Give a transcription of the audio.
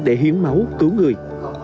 để hiến máu cứu người